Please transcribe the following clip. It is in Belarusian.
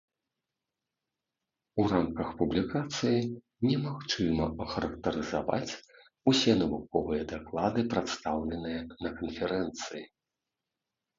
У рамках публікацыі немагчыма ахарактарызаваць усе навуковыя даклады, прадстаўленыя на канферэнцыі.